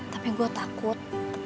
tapi gue takut